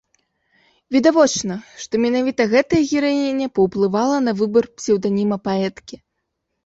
Відавочна, што менавіта гэтая гераіня паўплывала на выбар псеўданіма паэткі.